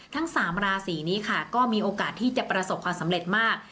ทั้ง๓ราศีนี้ค่ะก็มีโอกาสที่จะประสบความสำเร็จมาก